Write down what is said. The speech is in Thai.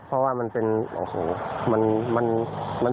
เพราะว่ามันเป็นโอ้โหมันเสี่ยงกับ